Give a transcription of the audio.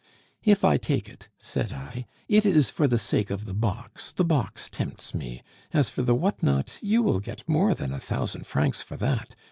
'If I take it,' said I, 'it is for the sake of the box; the box tempts me. As for the what not, you will get more than a thousand francs for that.